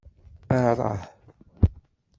Arah